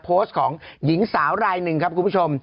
โพสต์ของหญิงสาวรายหนึ่งครับคุณผู้ชม